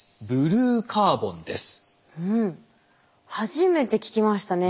初めて聞きましたね。